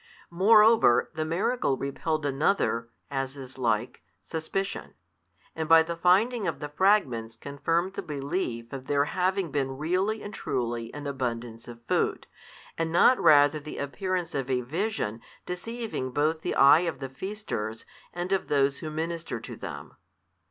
Moreover the miracle repelled another (as is like) suspicion, and by the finding of the fragments confirmed the belief of there having been really and truly an abundance of food, and not rather the appearance of a vision deceiving both the eye of the feasters and of those who minister to them.